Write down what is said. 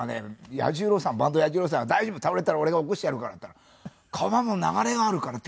彌十郎さん坂東彌十郎さんが「大丈夫倒れたら俺が起こしてやるから」って言ったら川の流れがあるから手が届かない。